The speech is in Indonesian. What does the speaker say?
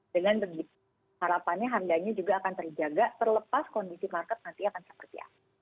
dengan begitu harapannya harganya juga akan terjaga terlepas kondisi market nanti akan seperti apa